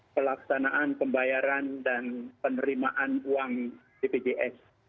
pelaksanaan pembayaran dan penerimaan uang bpjs